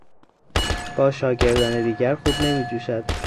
با شاگردان دیگر خوب نمیجوشد.